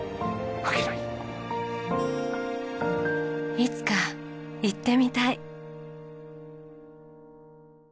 いつか行ってみたい。